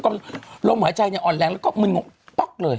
ก็ลมหายใจเนี่ยอ่อนแรงแล้วก็มึนงป๊อกเลย